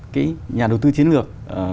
cái nhà đầu tư chiến lược